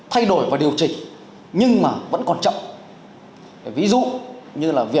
hay là những thói quen trong xã hội